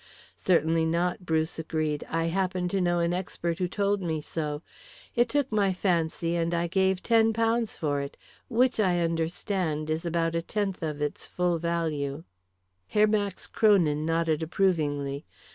"Certainly not," Bruce agreed. "I happen to know an expert who told me so. It took my fancy and I gave ten pounds for it, which, I understand, is about a tenth of its full value." Herr Max Kronin nodded approvingly.